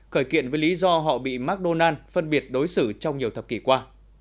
khởi kiện với lý do họ bị mcdonald s phân biệt đối xử trong nhiều thập kỷ qua